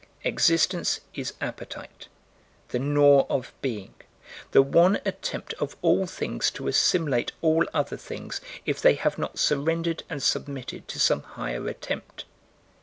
Existence is Appetite: the gnaw of being; the one attempt of all things to assimilate all other things, if they have not surrendered and submitted to some higher attempt.